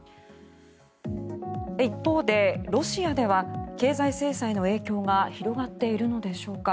一方で、ロシアでは経済制裁の影響が広がっているのでしょうか。